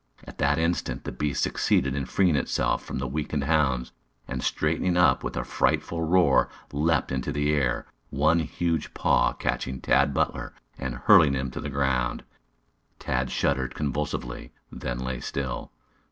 At that instant the beast succeeded in freeing itself from the weakened hounds, and, straightening up with a frightful roar, leaped into the air, one huge paw catching Tad Butler and hurling him to the ground. Tad shuddered convulsively, then lay still.